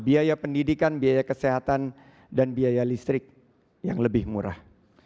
biaya pendidikan biaya kesehatan dan biaya listrik yang lebih murah